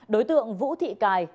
đối tượng vũ thị cài